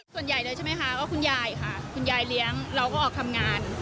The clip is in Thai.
ส่วนใหญ่เลยใช่ไหมคะก็คุณยายค่ะคุณยายเลี้ยงเราก็ออกทำงาน